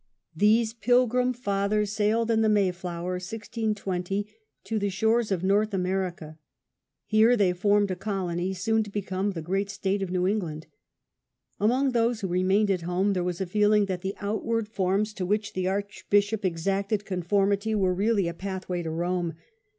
These "Pilgrim Fathers" sailed in the Mayflower (1620) to the shores of North America. Here they formed a colony, soon to become the great state of New England. Among tKose who remained at home, there was a feeling that the outward forms, to which the Archbishop exacted conformity, were really a pathway to Rome.